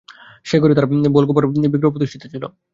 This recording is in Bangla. সে ঘরে তাঁর বাল-গোপাল বিগ্রহ প্রতিষ্ঠিত ছিল।